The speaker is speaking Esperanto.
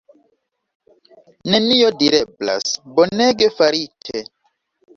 Nenio direblas, bonege farite!